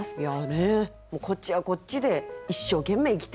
こっちはこっちで一生懸命生きている。